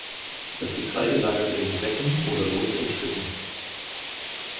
Das Getreide lagerte in Säcken oder lose in Schütten.